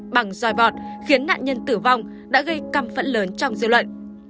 bằng roi bọt khiến nạn nhân tử vong đã gây căm phẫn lớn trong dư luận